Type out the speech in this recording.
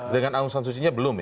dengan aung san suu kyi nya belum ya